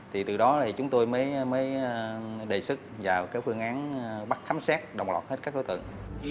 thì từ đó thì chúng tôi mới đề xuất vào cái phương án bắt khám xét đồng lọt hết các đối tượng